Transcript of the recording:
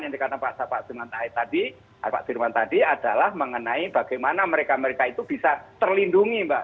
yang dikatakan pak zirman tadi adalah mengenai bagaimana mereka mereka itu bisa terlindungi mbak